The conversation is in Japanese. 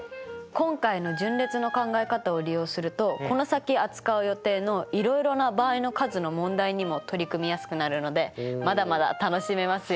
今回の順列の考え方を利用するとこの先扱う予定のいろいろな場合の数の問題にも取り組みやすくなるのでまだまだ楽しめますよ。